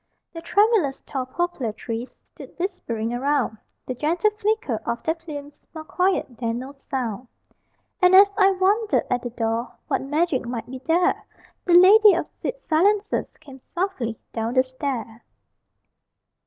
The tremulous tall poplar trees Stood whispering around, The gentle flicker of their plumes More quiet than no sound. And as I wondered at the door What magic might be there, The Lady of Sweet Silences Came softly down the stair.